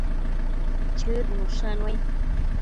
Chëd nushannuai